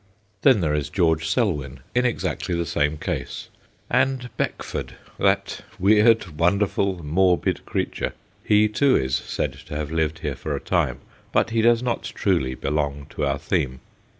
Then there is George Selwyn in exactly the same case. And Beckford, that weird, wonderful, morbid creature he, too, is said to have lived here for a time, but he does not truly belong to our theme.